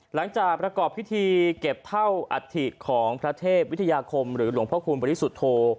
หลังจากประกอบพิธีเก็บเท่าอัฐิของพระเทพวิทยาคมหรือหลวงพระคุณบริสุทธโธ